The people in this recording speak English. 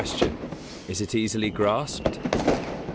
Q. _Is it easily grasped?